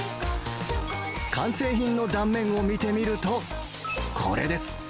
完成品の断面を見てみると、これです。